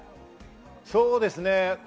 そうですね。